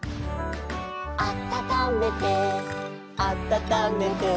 「あたためてあたためて」